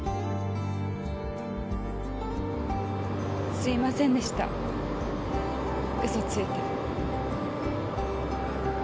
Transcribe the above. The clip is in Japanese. すいませんでした嘘ついて。